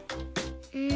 うん。